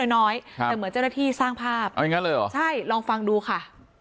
น้อยแต่เหมือนเจ้าหน้าที่สร้างภาพใช่ลองฟังดูค่ะ